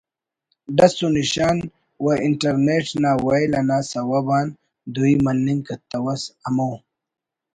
ڈس و نشان و انٹر نیٹ نا ویل انا سوب آن دوئی مننگ کتوس ہمو